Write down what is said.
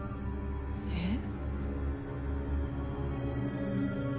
えっ？